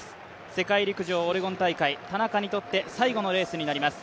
世界陸上オレゴン大会、田中にとって最後のレースになります。